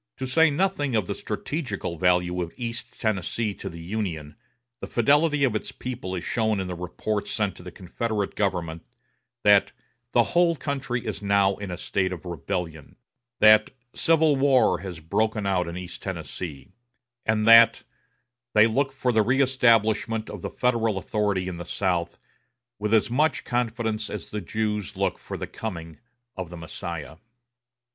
To say nothing of the strategical value of East Tennessee to the Union, the fidelity of its people is shown in the reports sent to the Confederate government that "the whole country is now in a state of rebellion"; that "civil war has broken out in East Tennessee"; and that "they look for the reëstablishment of the Federal authority in the South with as much confidence as the Jews look for the coming of the Messiah."